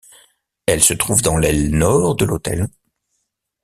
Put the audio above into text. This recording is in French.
Elle se trouve dans l'aile nord de l'hôtel.